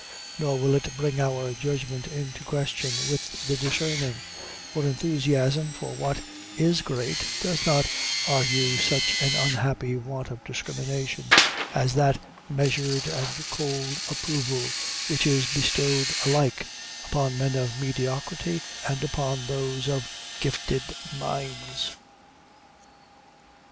Nor will it bring our judgment into question with the discerning; for enthusiasm for what is great does not argue such an unhappy want of discrimination as that measured and cold approval, which is bestowed alike upon men of mediocrity and upon those of gifted minds.